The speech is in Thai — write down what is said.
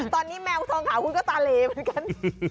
ตอนนี้แมวทองขาวคุณก็ตาเหลเหมือนกัน